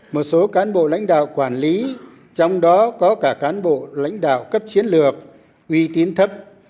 một số cán bộ lãnh đạo quản lý trong đó có cả cán bộ lãnh đạo cấp chiến lược uy tín thấp